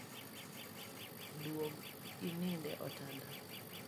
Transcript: Duog inindi e otanda